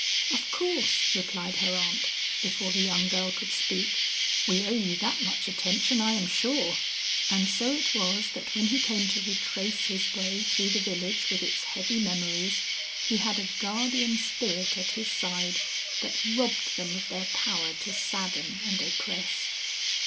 "Of course," replied her aunt before the young girl could speak, "we owe you that much attention I am sure." And so it was that when he came to retrace his way through the village with its heavy memories, he had a guardian spirit at his side that robbed them of their power to sadden and oppress.